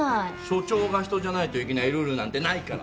署長が人じゃないといけないルールなんてないから。